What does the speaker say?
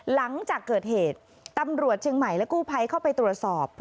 หลังจากเกิดเหตุตำรวจเชียงใหม่และกู้ภัยเข้าไปตรวจสอบ